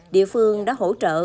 địa phương đã hỗ trợ